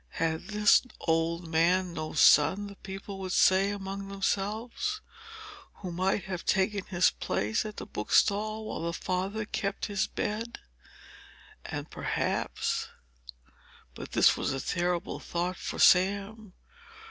"Had this old man no son," the people would say among themselves, "who might have taken his place at the bookstall, while the father kept his bed?" And perhaps—but this was a terrible thought for Sam!